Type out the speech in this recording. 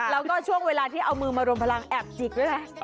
แล้วก็ช่วงเวลาที่เอามือมารวมพลังแอบจิกด้วยนะ